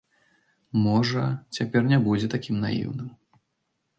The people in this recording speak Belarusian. Можа, цяпер не будзе такім наіўным.